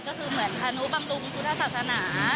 ก็คือเหมือนธนุบำรุงพุทธศาสนา